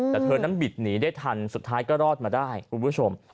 แต่เธอนั้นบิดหนีได้ทันสุดท้ายก็รอดมาได้คุณผู้ชม